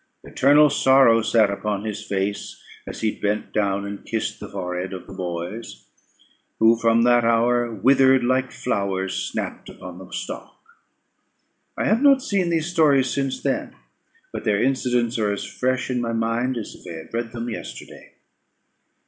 Eternal sorrow sat upon his face as he bent down and kissed the forehead of the boys, who from that hour withered like flowers snapt upon the stalk. I have not seen these stories since then; but their incidents are as fresh in my mind as if I had read them yesterday.